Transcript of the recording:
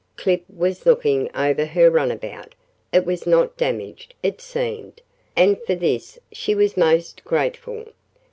Clip was looking over her runabout. It was not damaged, it seemed, and for this she was most grateful.